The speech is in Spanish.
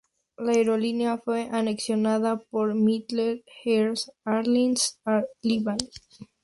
La aerolínea fue anexionada por Middle East Airlines Air Liban.